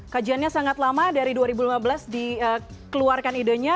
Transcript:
kajiannya sangat lama dari dua ribu lima belas dikeluarkan idenya